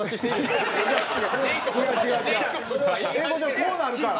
こうなるから。